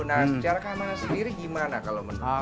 nah secara keamanan sendiri gimana kalau menurut anda